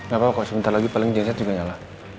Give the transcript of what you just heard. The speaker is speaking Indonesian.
gapapa kok sebentar lagi paling jelas aja juga nyala